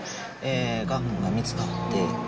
がんが見つかって。